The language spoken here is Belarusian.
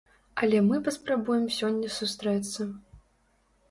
Але мы паспрабуем сёння сустрэцца.